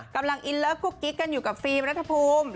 กำลังอินเลิฟกุ๊กกิ๊กกันอยู่กับฟิล์มรัฐภูมิ